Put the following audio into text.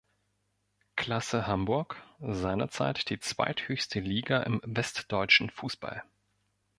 Klasse Hamburg", seinerzeit die zweithöchste Liga im westdeutschen Fußball.